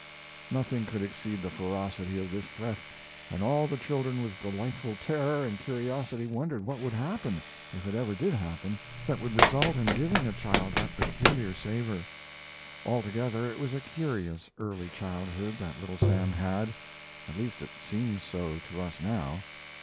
Nothing could exceed the ferocity of this threat, and all the children, with delightful terror and curiosity, wondered what would happen if it ever did happen that would result in giving a child that peculiar savor. Altogether it was a curious early childhood that Little Sam had at least it seems so to us now.